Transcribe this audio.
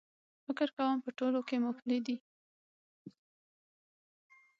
فکر کوم په ټولو کې مومپلي دي.H